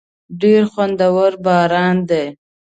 ډېر خوندور باران دی.